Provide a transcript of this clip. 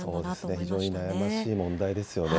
非常に悩ましい問題ですよね。